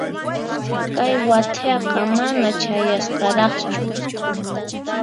Kay wathiaqa mana chayasqaraqchu.